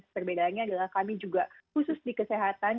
perbedaannya adalah kami juga khusus di kesehatan